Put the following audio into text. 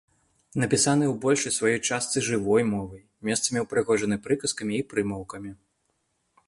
Напісаны ў большай сваёй частцы жывой мовай, месцамі ўпрыгожаны прыказкамі і прымаўкамі.